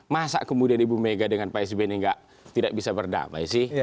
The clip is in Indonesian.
masa kemudian ibu mega dengan pak sby ini tidak bisa berdamai sih